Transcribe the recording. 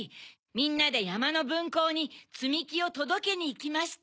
みんなでやまのぶんこうにつみきをとどけにいきました。